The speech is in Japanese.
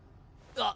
あっ。